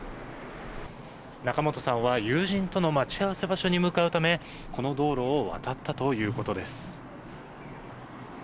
仲本さんは友人との待ち合わせ場所に向かうためにこの道路を渡ったということです。